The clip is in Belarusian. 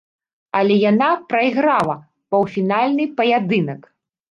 Але яна прайграла паўфінальны паядынак.